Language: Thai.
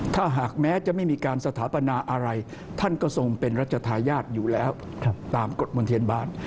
ถ้าหากแม้จะไม่มีการสถาปนาอะไรท่านก็ทรงเป็นรัชธาญาติอยู่แล้วตามกฎมนเทียนบาล